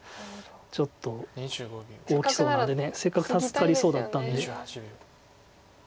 ちょっと大きそうなんでせっかく助かりそうだったんで。